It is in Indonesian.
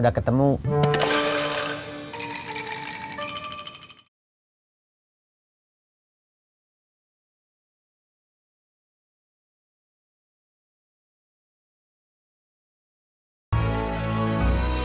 sampai jumpa lagi